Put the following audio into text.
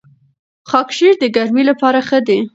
خاکشیر د ګرمۍ لپاره ښه دی.